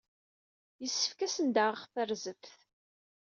Yessefk ad asen-d-aɣeɣ tarzeft.